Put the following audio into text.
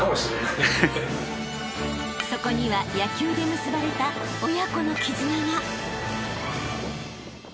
［そこには野球で結ばれた親子の絆が］